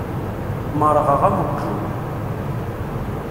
Merrɣeɣ am uqjun.